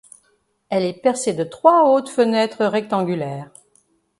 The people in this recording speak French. Elle est percée de trois hautes fenêtres rectangulaire.